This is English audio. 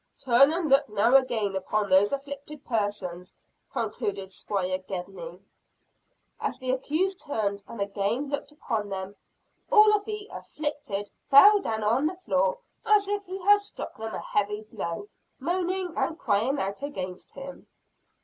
"Turn and look now again upon those afflicted persons," concluded Squire Gedney. As the accused turned and again looked upon them, all of the "afflicted" fell down on the floor as if he had struck them a heavy blow moaning and crying out against him.